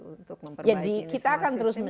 untuk memperbaiki kita akan terus